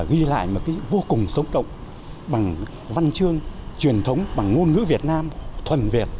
ghi lại một cái vô cùng sống động bằng văn chương truyền thống bằng ngôn ngữ việt nam thuần việt